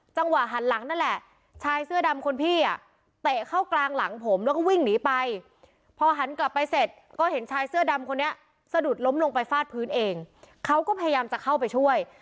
หันหลังนั่นแหละชายเสื้อดำคนพี่อ่ะเตะเข้ากลางหลังผมแล้วก็วิ่งหนีไปพอหันกลับไปเสร็จก็เห็นชายเสื้อดำคนนี้สะดุดล้มลงไปฟาดพื้นเองเขาก็พยายามจะเข้าไปช่วย